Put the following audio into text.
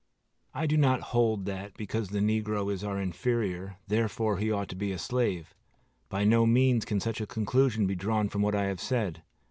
I do not hold that, because the negro is our inferior, therefore he ought to be a slave. By no means can such a conclusion be drawn from what I have said.